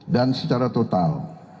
dan secara total